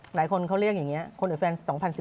หลายคนเขาเรียกอย่างนี้คนอื่นแฟน๒๐๑๘